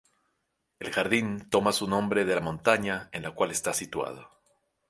El jardín toma su nombre de la montaña en la cual está situado.